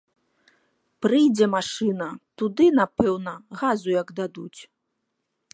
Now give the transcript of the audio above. Прыйдзе машына, туды, напэўна, газу як дадуць!